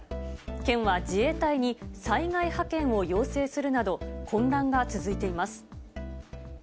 県は自衛隊に災害派遣を要請するなど、混乱が続いています。